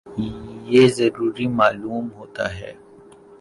یہ ضروری معلوم ہوتا ہے